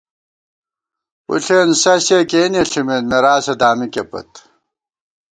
پُݪېن سسِیَہ کېنے ݪِمېت ، مېراثہ دامِکے پت